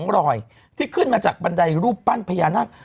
รอยที่ขึ้นมาจากบันไดรูปปั้นพญานาค